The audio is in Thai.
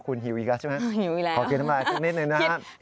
คุณหิวอีกแล้วใช่ไหมครับขอกินหน่อยนิดหนึ่งนะครับหิวอีกแล้ว